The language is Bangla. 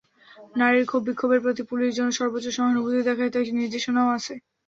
নারীর ক্ষোভ-বিক্ষোভের প্রতি পুলিশ যেন সর্বোচ্চ সহানুভূতি দেখায়, সেই নির্দেশনাও আছে।